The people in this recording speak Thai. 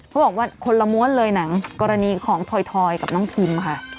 บอกว่าคนละม้วนเลยหนังกรณีของถอยกับน้องพิมค่ะ